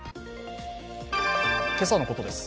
今朝のことです。